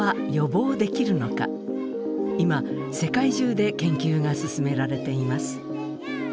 今世界中で研究が進められています。